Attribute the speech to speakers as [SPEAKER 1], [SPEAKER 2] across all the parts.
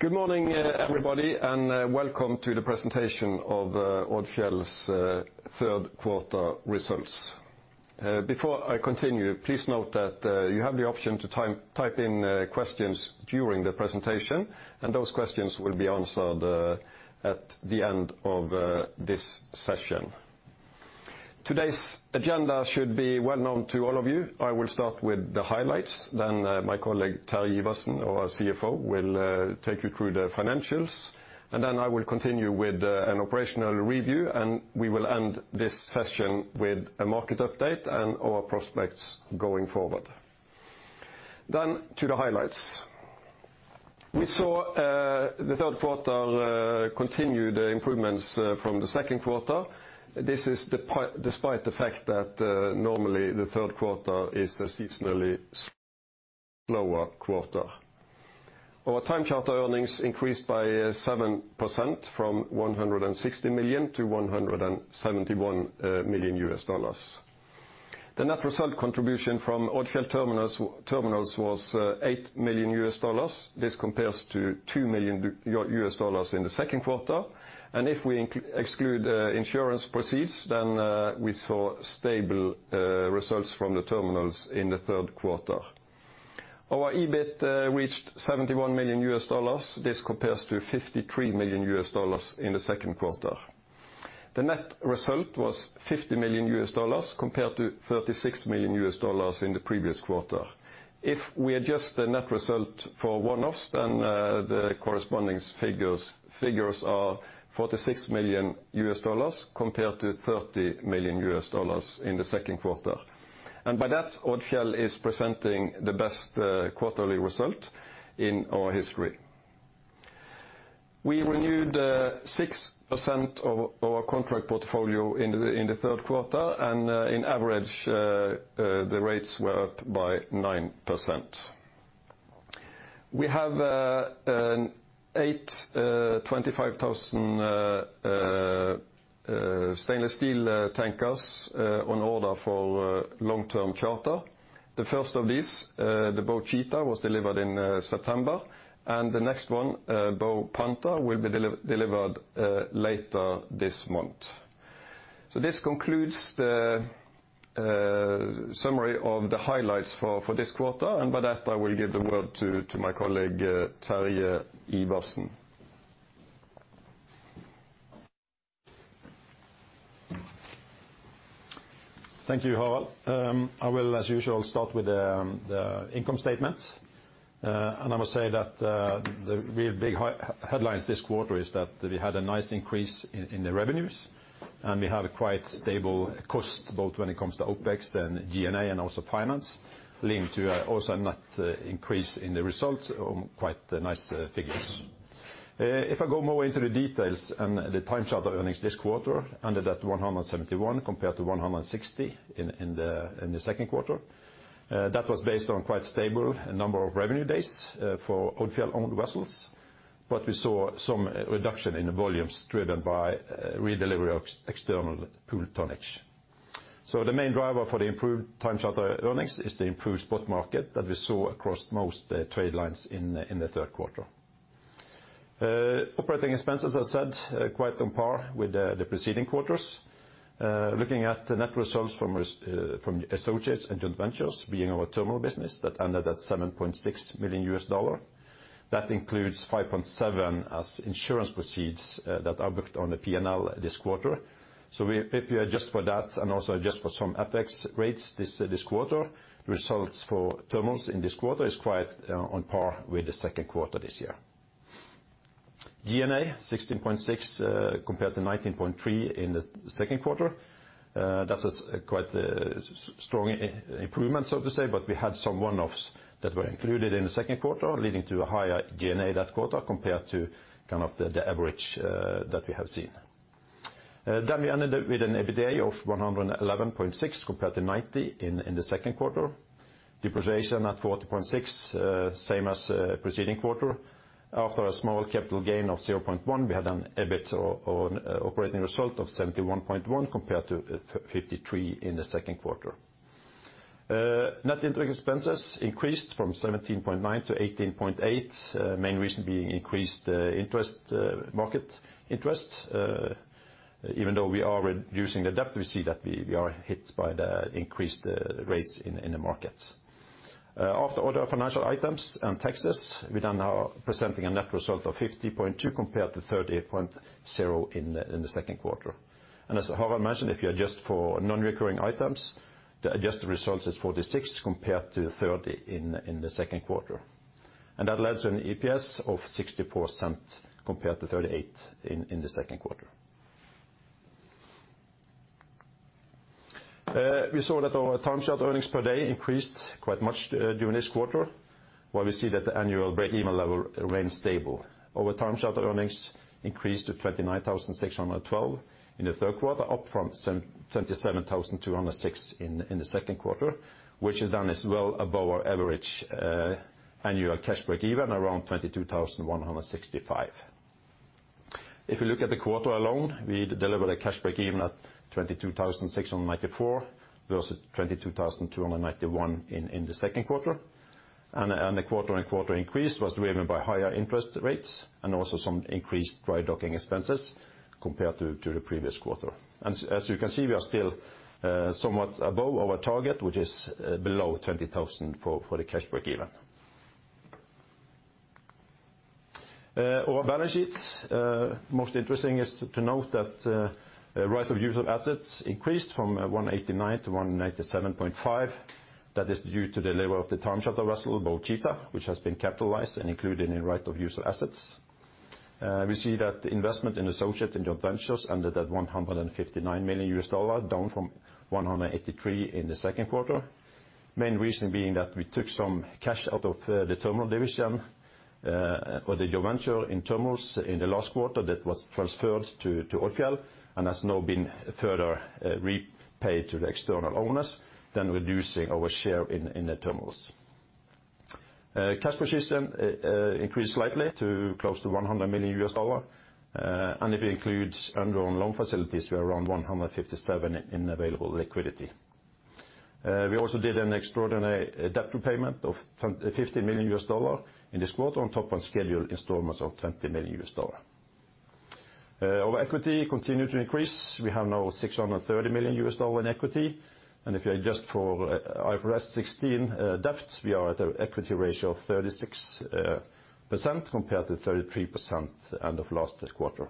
[SPEAKER 1] Good morning, everybody, and welcome to the presentation of Odfjell's Third Quarter results. Before I continue, please note that you have the option to type in questions during the presentation, and those questions will be answered at the end of this session. Today's agenda should be well-known to all of you. I will start with the highlights, then my colleague Terje Iversen, our CFO, will take you through the financials. I will continue with an operational review, and we will end this session with a market update and our prospects going forward. To the highlights. We saw the third quarter continue the improvements from the second quarter. This is despite the fact that normally the third quarter is a seasonally slower quarter. Our time charter earnings increased by 7% from $160 million-$171 million. The net result contribution from Odfjell Terminals was $8 million. This compares to $2 million in the second quarter. If we exclude insurance proceeds, then we saw stable results from the terminals in the third quarter. Our EBIT reached $71 million. This compares to $53 million in the second quarter. The net result was $50 million compared to $36 million in the previous quarter. If we adjust the net result for one-offs, then the corresponding figures are $46 million compared to $30 million in the second quarter. By that, Odfjell is presenting the best quarterly result in our history. We renewed 6% of our contract portfolio in the third quarter, and on average, the rates were up by 9%. We have eight 25,000 stainless steel tankers on order for long-term charter. The first of these, the Bow Cheetah, was delivered in September, and the next one, Bow Panther, will be delivered later this month. This concludes the summary of the highlights for this quarter. With that, I will give the word to my colleague, Terje Iversen.
[SPEAKER 2] Thank you, Harald. I will, as usual, start with the income statement. I will say that the real big headlines this quarter is that we had a nice increase in the revenues, and we had a quite stable cost, both when it comes to OpEx and G&A and also finance, leading to also a net increase in the results on quite nice figures. If I go more into the details and the time charter earnings this quarter ended at $171 compared to $160 in the second quarter. That was based on quite stable number of revenue days for Odfjell-owned vessels. But we saw some reduction in the volumes driven by redelivery of external pool tonnage. The main driver for the improved time charter earnings is the improved spot market that we saw across most trade lines in the third quarter. Operating expenses, as I said, quite on par with the preceding quarters. Looking at the net results from associates and joint ventures being our terminal business that ended at $7.6 million. That includes $5.7 million as insurance proceeds that are booked on the P&L this quarter. If you adjust for that and also adjust for some FX rates this quarter, the results for terminals in this quarter is quite on par with the second quarter this year. G&A $16.6 million, compared to $19.3 million in the second quarter. That is quite a strong improvement, so to say, but we had some one-offs that were included in the second quarter, leading to a higher G&A that quarter compared to kind of the average that we have seen. We ended up with an EBITDA of $111.6 compared to $90 in the second quarter. Depreciation at $40.6, same as preceding quarter. After a small capital gain of $0.1, we had an EBIT or an operating result of $71.1 compared to $53 in the second quarter. Net interest expenses increased from $17.9-$18.8, main reason being increased market interest. Even though we are reducing the debt, we see that we are hit by the increased rates in the markets. After other financial items and taxes, we then are presenting a net result of $50.2 compared to $38.0 in the second quarter. As Harald mentioned, if you adjust for non-recurring items, the adjusted results is $46 compared to $30 in the second quarter. That led to an EPS of $0.64 compared to $0.38 in the second quarter. We saw that our time charter earnings per day increased quite much during this quarter, while we see that the annual break-even level remained stable. Our time charter earnings increased to $29,612 in the third quarter, up from $27,206 in the second quarter, which is well above our average annual cash break-even around $22,165. If you look at the quarter alone, we delivered a cash break-even at $22,694 versus $22,291 in the second quarter. The quarter-on-quarter increase was driven by higher interest rates and also some increased dry-docking expenses compared to the previous quarter. As you can see, we are still somewhat above our target, which is below $20,000 for the cash break-even. Our balance sheet. Most interesting is to note that right-of-use assets increased from $189-$197.5. That is due to the level of the time charter vessel, Bow Cheetah, which has been capitalized and included in right-of-use assets. We see that the investment in associates and joint ventures ended at $159 million, down from $183 million in the second quarter. Main reason being that we took some cash out of the terminal division or the joint venture in terminals in the last quarter that was transferred to Odfjell and has now been further repaid to the external owners, reducing our share in the terminals. Cash position increased slightly to close to $100 million. If it includes undrawn loan facilities, we are around $157 million in available liquidity. We also did an extraordinary debt repayment of $50 million in this quarter on top of scheduled installments of $20 million. Our equity continued to increase. We have now $630 million in equity. If you adjust for IFRS 16 debt, we are at an equity ratio of 36% compared to 33% end of last quarter.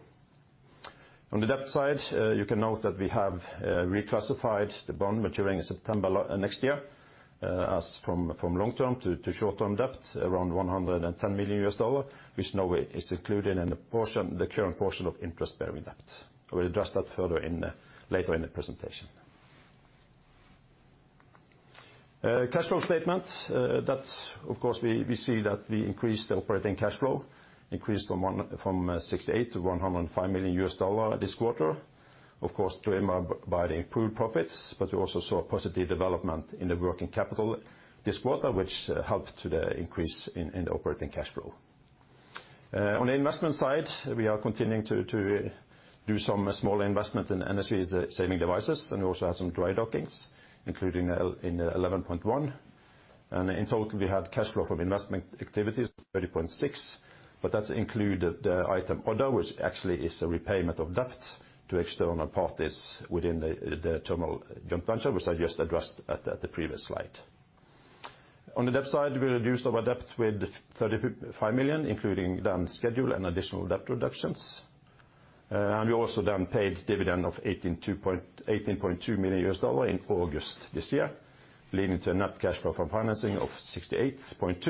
[SPEAKER 2] On the debt side, you can note that we have reclassified the bond maturing in September next year from long-term to short-term debt, around $110 million, which now is included in the current portion of interest-bearing debt. I will address that further later in the presentation. Cash flow statement. That, of course, we see that we increased the operating cash flow from $68 million-$105 million this quarter, of course, driven by the improved profits, but we also saw a positive development in the working capital this quarter, which helped to the increase in the operating cash flow. On the investment side, we are continuing to do some small investment in energy-saving devices, and we also have some dry dockings, including $11.1 million. In total, we had cash flow from investment activities $30.6 million, but that included the item other, which actually is a repayment of debt to external parties within the terminal joint venture, which I just addressed at the previous slide. On the debt side, we reduced our debt with $35 million, including the scheduled and additional debt reductions. We also paid dividend of $18.2 million in August this year, leading to a net cash flow from financing of $68.2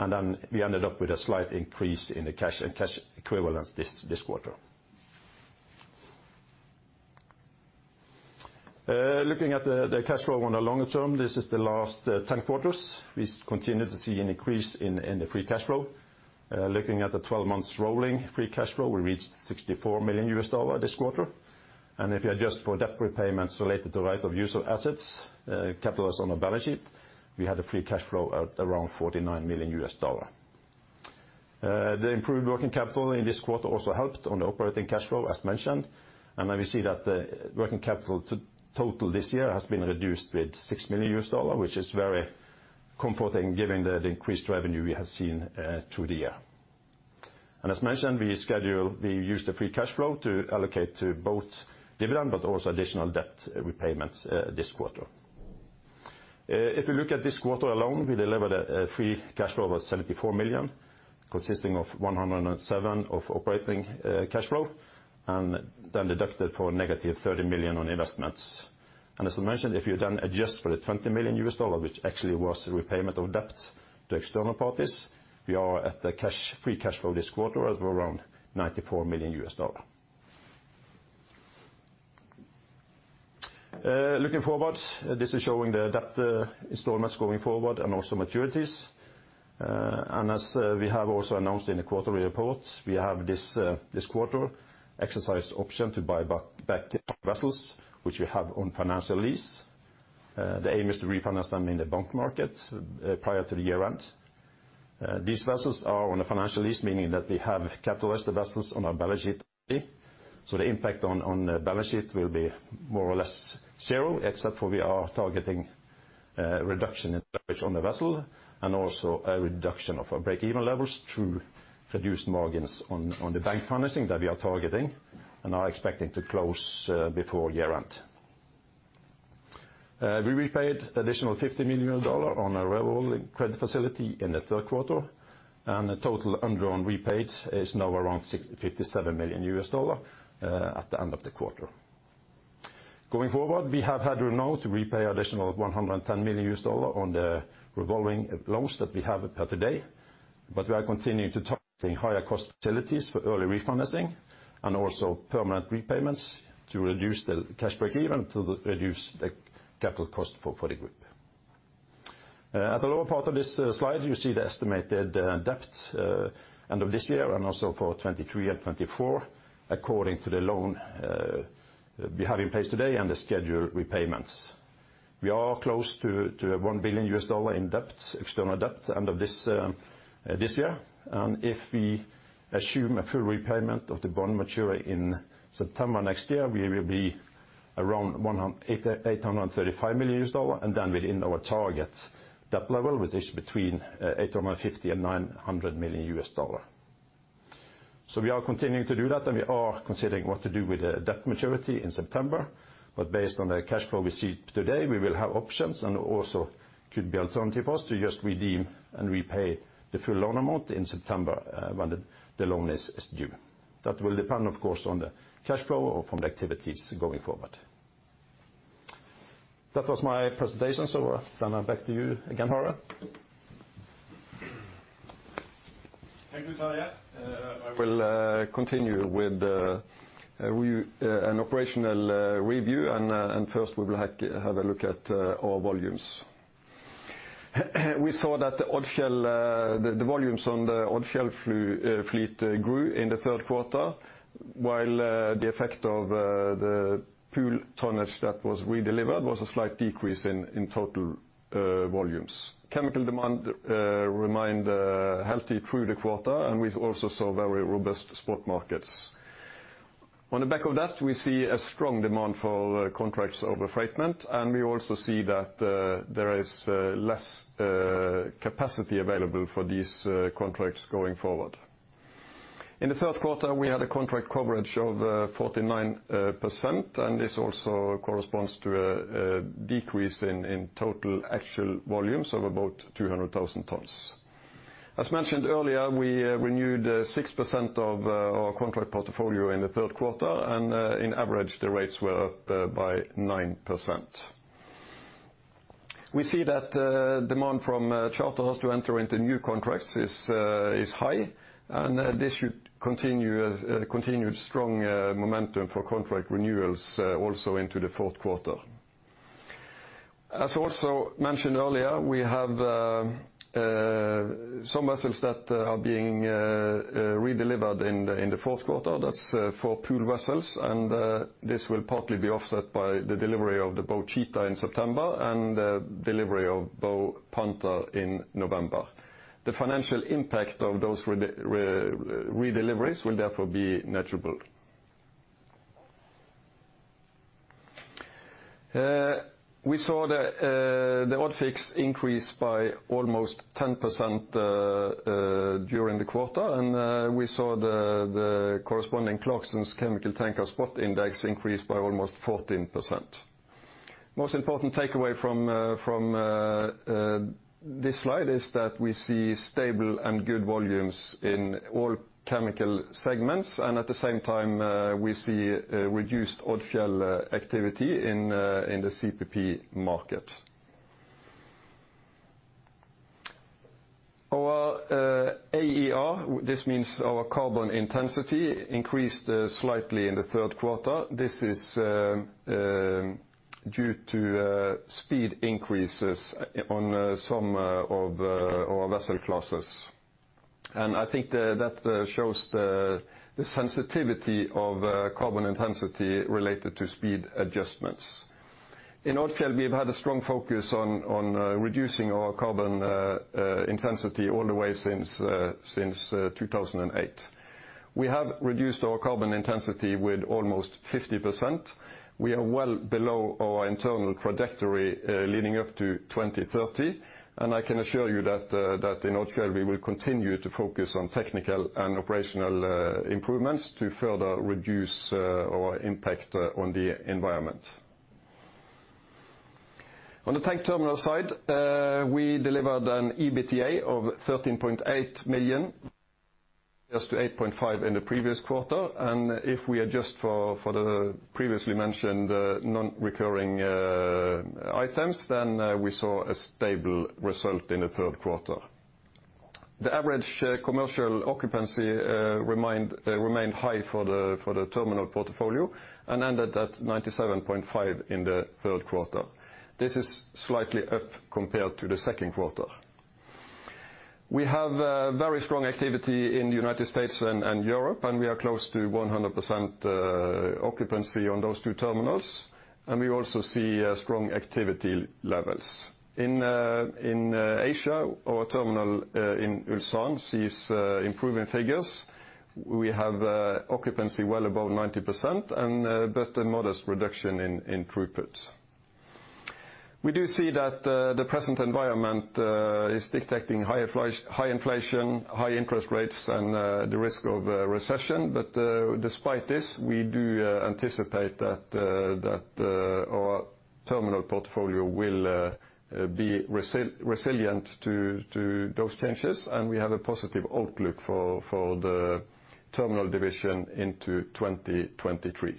[SPEAKER 2] million. We ended up with a slight increase in the cash and cash equivalents this quarter. Looking at the cash flow on the longer term, this is the last 10 quarters. We continue to see an increase in the free cash flow. Looking at the 12 months rolling free cash flow, we reached $64 million this quarter. If you adjust for debt repayments related to right-of-use assets, capitalized on our balance sheet, we had a free cash flow of around $49 million. The improved working capital in this quarter also helped on the operating cash flow as mentioned. We see that the working capital total this year has been reduced with $6 million, which is very comforting given the increased revenue we have seen through the year. As mentioned, we use the free cash flow to allocate to both dividend, but also additional debt repayments this quarter. If you look at this quarter alone, we delivered a free cash flow of $74 million, consisting of $107 million of operating cash flow, and then deducted for a -$30 million on investments. As I mentioned, if you then adjust for the $20 million, which actually was repayment of debt to external parties, we are at the cash free cash flow this quarter of around $94 million. Looking forward, this is showing the debt installments going forward and also maturities. We have also announced in the quarterly report, we have this quarter exercised option to buy back the vessels which we have on financial lease. The aim is to refinance them in the bond market prior to the year-end. These vessels are on a financial lease, meaning that we have capitalized the vessels on our balance sheet. The impact on the balance sheet will be more or less zero, except for we are targeting a reduction in debt on the vessel and also a reduction of our break-even levels through reduced margins on the bank financing that we are targeting and are expecting to close before year-end. We repaid additional $50 million on a revolving credit facility in the third quarter, and the total undrawn repaid is now around $57 million at the end of the quarter. Going forward, we have now to repay additional $110 million on the revolving loans that we have per today, but we are continuing to target higher cost facilities for early refinancing and also permanent repayments to reduce the cash break-even to reduce the capital cost for the group. At the lower part of this slide, you see the estimated debt end of this year and also for 2023 and 2024 according to the loan we have in place today and the scheduled repayments. We are close to a $1 billion in debt, external debt end of this year. If we assume a full repayment of the bond mature in September next year, we will be around $835 million, and then within our target debt level, which is between $850 million-$900 million. We are continuing to do that, and we are considering what to do with the debt maturity in September. Based on the cash flow we see today, we will have options and also could be alternative ways to just redeem and repay the full loan amount in September, when the loan is due. That will depend, of course, on the cash flow from the activities going forward. That was my presentation, back to you again, Harald.
[SPEAKER 1] Thank you, Terje. I will continue with an operational review and first we will have a look at our volumes. We saw that the volumes on the Odfjell fleet grew in the third quarter, while the effect of the pool tonnage that was redelivered was a slight decrease in total volumes. Chemical demand remained healthy through the quarter, and we also saw very robust spot markets. On the back of that, we see a strong demand for contracts over spot, and we also see that there is less capacity available for these contracts going forward. In the third quarter, we had a contract coverage of 49%, and this also corresponds to a decrease in total actual volumes of about 200,000 tons. As mentioned earlier, we renewed 6% of our contract portfolio in the third quarter, and on average, the rates were up by 9%. We see that demand from charterers to enter into new contracts is high, and this should continue as continuing strong momentum for contract renewals also into the fourth quarter. As also mentioned earlier, we have some vessels that are being redelivered in the fourth quarter. That's four pool vessels, and this will partly be offset by the delivery of the Bow Cheetah in September and delivery of the Bow Panther in November. The financial impact of those redeliveries will therefore be negligible. We saw the ODFIX increase by almost 10% during the quarter, and we saw the corresponding Clarksons Chemical Tanker Spot Index increase by almost 14%. Most important takeaway from this slide is that we see stable and good volumes in all chemical segments, and at the same time, we see reduced Odfjell activity in the CPP market. Our AER, this means our carbon intensity, increased slightly in the third quarter. This is due to speed increases on some of our vessel classes. I think that shows the sensitivity of carbon intensity related to speed adjustments. In Odfjell, we've had a strong focus on reducing our carbon intensity all the way since 2008. We have reduced our carbon intensity with almost 50%. We are well below our internal trajectory leading up to 2030, and I can assure you that in Odfjell, we will continue to focus on technical and operational improvements to further reduce our impact on the environment. On the tank terminal side, we delivered an EBITDA of $13.8 million versus $8.5 million in the previous quarter. If we adjust for the previously mentioned non-recurring items, then we saw a stable result in the third quarter. The average commercial occupancy remained high for the terminal portfolio and ended at 97.5% in the third quarter. This is slightly up compared to the second quarter. We have very strong activity in the United States and Europe, and we are close to 100% occupancy on those two terminals, and we also see strong activity levels. In Asia, our terminal in Ulsan sees improving figures. We have occupancy well above 90% and but a modest reduction in throughput. We do see that the present environment is dictating high inflation, high interest rates, and the risk of a recession. Despite this, we do anticipate that our terminal portfolio will be resilient to those changes, and we have a positive outlook for the terminal division into 2023.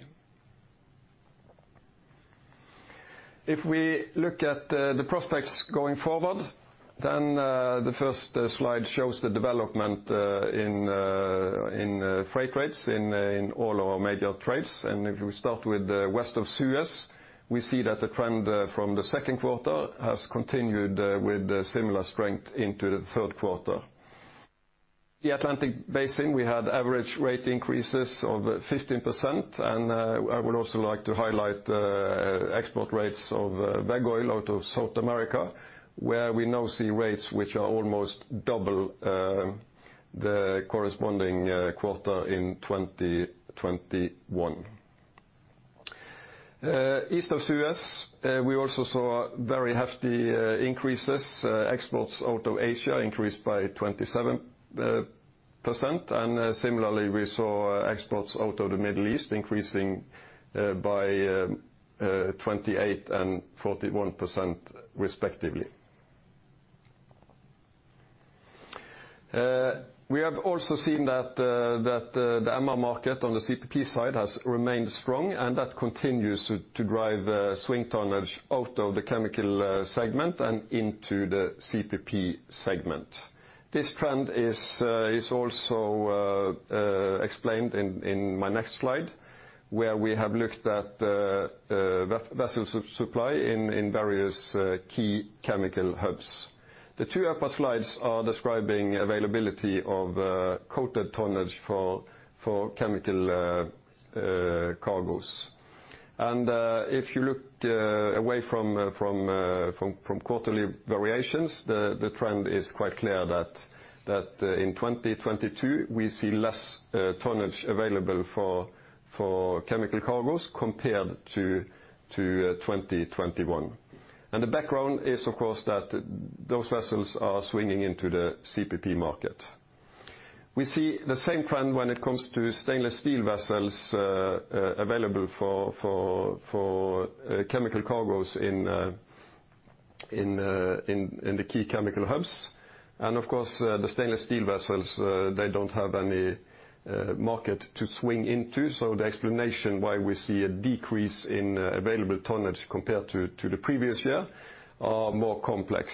[SPEAKER 1] If we look at the prospects going forward, then the first slide shows the development in freight rates in all our major trades. If we start with West of Suez, we see that the trend from the second quarter has continued with similar strength into the third quarter. The Atlantic Basin, we had average rate increases of 15%, and I would also like to highlight export rates of veg oil out of South America, where we now see rates which are almost double the corresponding quarter in 2021. East of Suez, we also saw very hefty increases. Exports out of Asia increased by 27%, and similarly, we saw exports out of the Middle East increasing by 28% and 41% respectively. We have also seen that the MR market on the CPP side has remained strong, and that continues to drive swing tonnage out of the chemical segment and into the CPP segment. This trend is also explained in my next slide, where we have looked at vessel supply in various key chemical hubs. The two upper slides are describing availability of coated tonnage for chemical cargos. If you look away from quarterly variations, the trend is quite clear that in 2022, we see less tonnage available for chemical cargos compared to 2021. The background is of course that those vessels are swinging into the CPP market. We see the same trend when it comes to stainless steel vessels available for chemical cargos in the key chemical hubs. Of course, the stainless steel vessels they don't have any market to swing into, the explanation why we see a decrease in available tonnage compared to the previous year are more complex.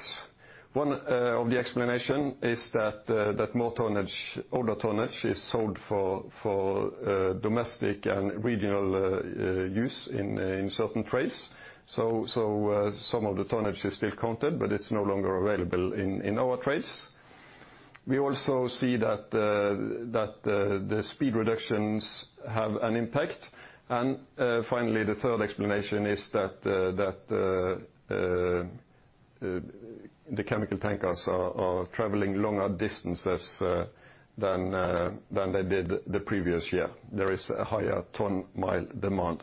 [SPEAKER 1] One of the explanation is that that more tonnage, older tonnage is sold for domestic and regional use in certain trades. Some of the tonnage is still counted, but it's no longer available in our trades. We also see that the speed reductions have an impact, and finally, the third explanation is that the chemical tankers are traveling longer distances than they did the previous year. There is a higher ton-mile demand.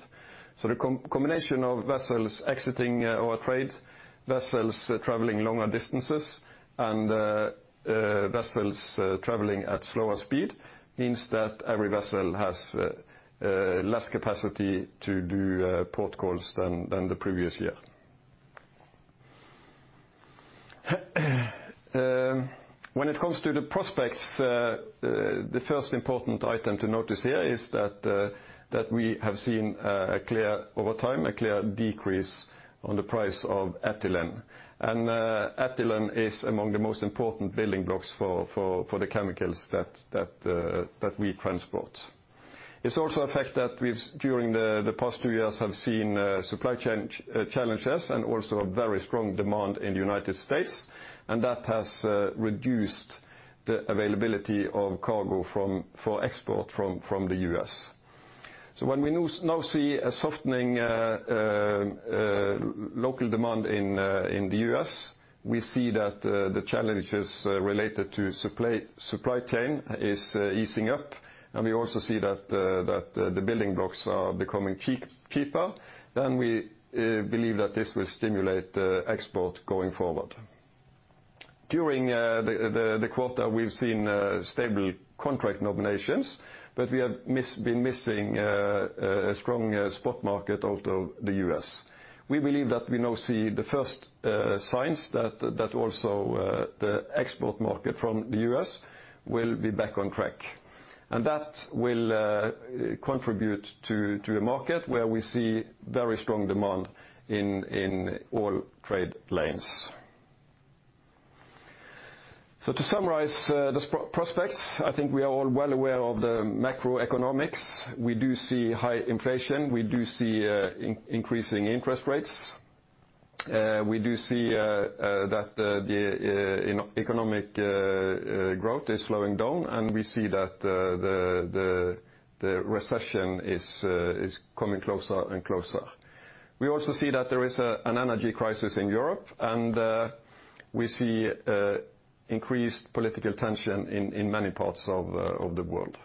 [SPEAKER 1] The combination of vessels exiting our trade, vessels traveling longer distances, and vessels traveling at slower speed means that every vessel has less capacity to do port calls than the previous year. When it comes to the prospects, the first important item to notice here is that we have seen a clear decrease over time in the price of ethylene. Ethylene is among the most important building blocks for the chemicals that we transport. It's also a fact that we've, during the past two years, have seen supply challenges and also a very strong demand in the United States, and that has reduced the availability of cargo for export from the U.S. When we now see a softening local demand in the U.S., we see that the challenges related to supply chain is easing up, and we also see that the building blocks are becoming cheaper, then we believe that this will stimulate export going forward. During the quarter, we've seen stable contract nominations, but we have been missing a strong spot market out of the U.S. We believe that we now see the first signs that also the export market from the U.S. will be back on track. That will contribute to a market where we see very strong demand in all trade lanes. To summarize, the prospects, I think we are all well aware of the macroeconomics. We do see high inflation. We do see increasing interest rates. We do see that the economic growth is slowing down, and we see that the recession is coming closer and closer. We also see that there is an energy crisis in Europe, and we see increased political tension in many parts of the world.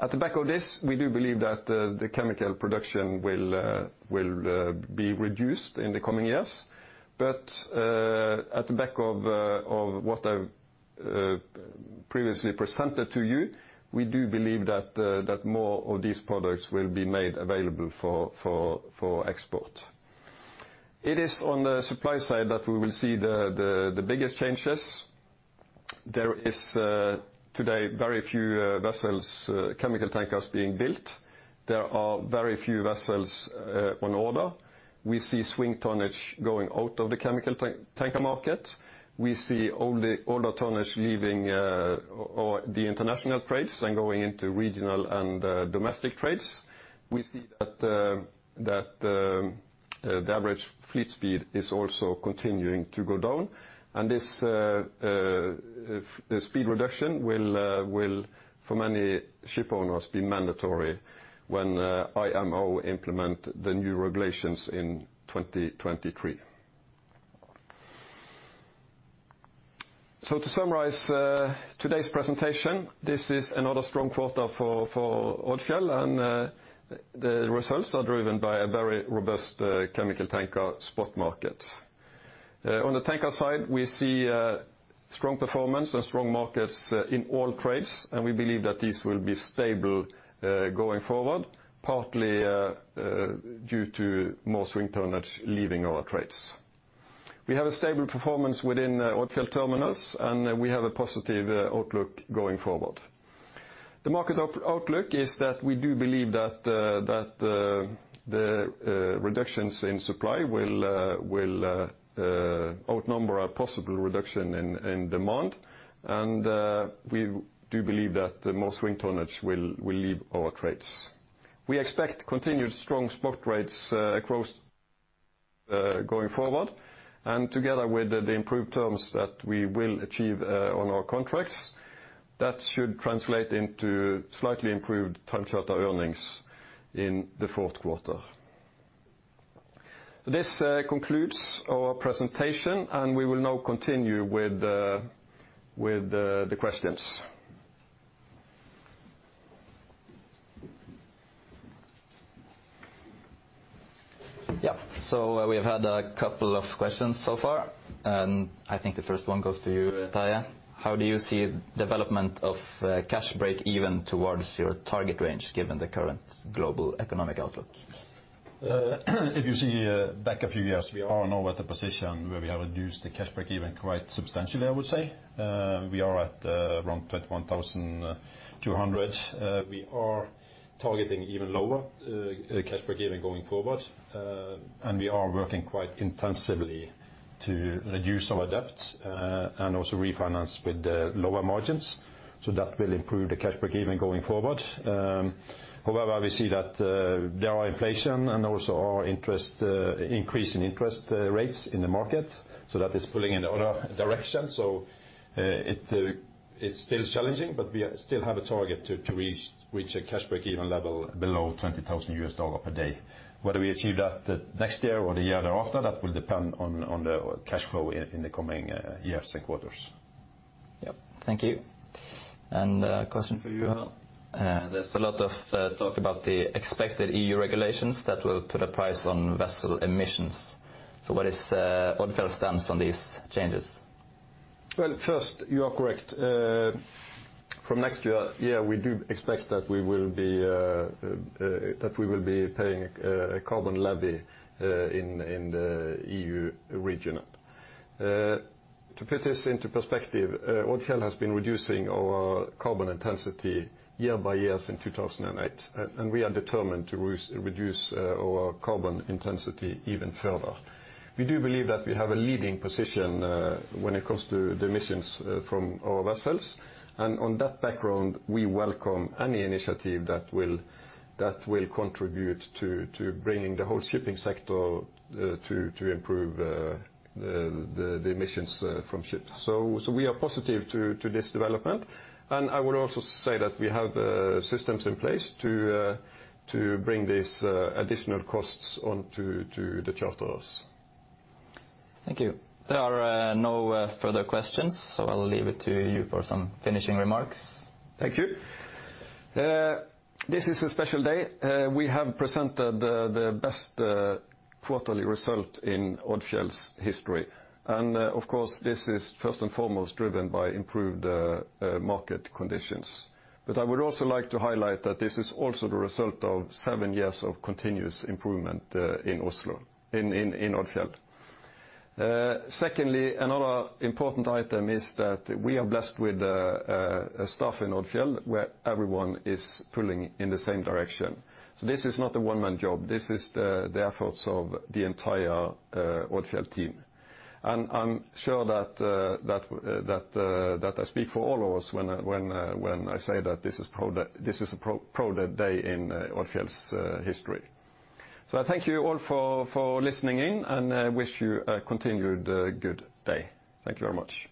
[SPEAKER 1] At the back of this, we do believe that the chemical production will be reduced in the coming years. At the back of what I've previously presented to you, we do believe that more of these products will be made available for export. It is on the supply side that we will see the biggest changes. There is today very few vessels chemical tankers being built. There are very few vessels on order. We see swing tonnage going out of the chemical tanker market. We see older tonnage leaving or the international trades and going into regional and domestic trades. We see that the average fleet speed is also continuing to go down, and the speed reduction will for many ship owners be mandatory when IMO implement the new regulations in 2023. To summarize today's presentation, this is another strong quarter for Odfjell, and the results are driven by a very robust chemical tanker spot market. On the tanker side, we see a strong performance and strong markets in all trades, and we believe that these will be stable going forward, partly due to more swing tonnage leaving our trades. We have a stable performance within Odfjell Terminals, and we have a positive outlook going forward. The market outlook is that we do believe that the reductions in supply will outnumber our possible reduction in demand. We do believe that the more swing tonnage will leave our trades. We expect continued strong spot rates across going forward. Together with the improved terms that we will achieve on our contracts, that should translate into slightly improved time charter earnings in the fourth quarter. This concludes our presentation, and we will now continue with the questions.
[SPEAKER 3] Yeah. We have had a couple of questions so far, and I think the first one goes to you, Terje. How do you see development of cash breakeven towards your target range given the current global economic outlook?
[SPEAKER 2] If you see back a few years, we are now at the position where we have reduced the cash break-even quite substantially, I would say. We are at around $21,200. We are targeting even lower cash break-even going forward. We are working quite intensively to reduce our debt and also refinance with the lower margins. That will improve the cash break-even going forward. However, we see that there is inflation and also higher interest rates in the market, so that is pulling in the other direction. It's still challenging, but we still have a target to reach a cash break-even level below $20,000 per day. Whether we achieve that next year or the year after, that will depend on the cash flow in the coming years and quarters.
[SPEAKER 3] Thank you. A question for you, Harald Fotland. There's a lot of talk about the expected EU regulations that will put a price on vessel emissions. What is Odfjell's stance on these changes?
[SPEAKER 1] Well, first, you are correct. From next year, we do expect that we will be paying a carbon levy in the EU region. To put this into perspective, Odfjell has been reducing our carbon intensity year by year since 2008, and we are determined to reduce our carbon intensity even further. We do believe that we have a leading position when it comes to the emissions from our vessels. On that background, we welcome any initiative that will contribute to bringing the whole shipping sector to improve the emissions from ships. We are positive to this development. I would also say that we have systems in place to bring these additional costs on to the charterers.
[SPEAKER 3] Thank you. There are no further questions, so I'll leave it to you for some finishing remarks.
[SPEAKER 1] Thank you. This is a special day. We have presented the best quarterly result in Odfjell's history. Of course, this is first and foremost driven by improved market conditions. I would also like to highlight that this is also the result of seven years of continuous improvement in Oslo, in Odfjell. Secondly, another important item is that we are blessed with a staff in Odfjell, where everyone is pulling in the same direction. This is not a one-man job. This is the efforts of the entire Odfjell team. I'm sure that I speak for all of us when I say that this is a proud day in Odfjell's history. I thank you all for listening in and wish you a continued good day. Thank you very much.